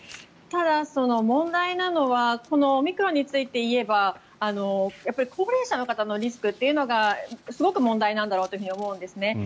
ただ、問題なのはこのオミクロンについて言えば高齢者の方のリスクっていうのがすごく問題なんだろうと思うんですね。